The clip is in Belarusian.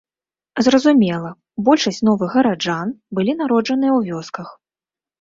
Зразумела, большасць новых гараджан былі народжаныя ў вёсках.